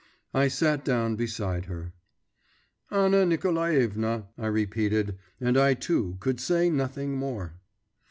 I sat down beside her. 'Anna Nikolaevna,' I repeated, and I too could say nothing more.